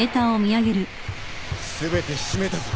全て閉めたぞ。